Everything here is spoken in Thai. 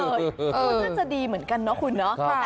น่าจะดีเหมือนกันเนาะคุณเนาะ